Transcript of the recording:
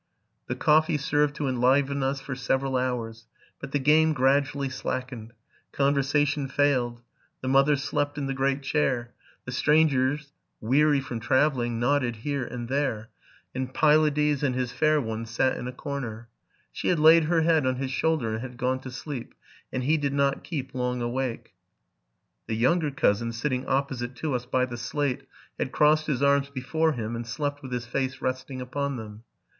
The coffee served to enliven us for several hours, but the game gradually slackened ; conversation failed; the mother slept in the great chair; the strangers, weary from travelling, nodded here and there ; and Pylades and his fair one sat in a corner. She had laid her head on his shoulder, and had gone to sleep ; and he did not keep long awake. The younger cousin, sitting opposite to us by the slate, had crossed his arms before him, and slept with his face resting upon them.